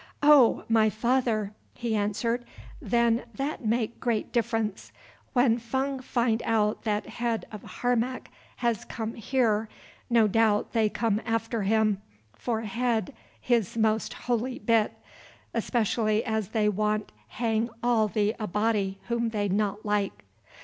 "Oh! my father," he answered, "then that make great difference. When Fung find out that head of Harmac has come here, no doubt they come after him, for head his most holy bit, especially as they want hang all the Abati whom they not like."